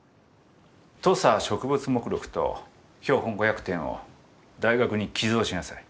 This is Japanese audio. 土佐植物目録と標本５００点を大学に寄贈しなさい。